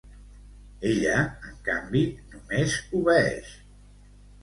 Ella, en canvi, només obeeix.